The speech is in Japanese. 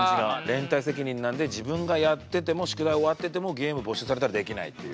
連帯責任なんで自分がやってても宿題終わっててもゲーム没収されたらできないっていう。